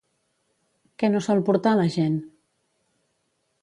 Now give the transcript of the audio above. Què no sol portar la gent?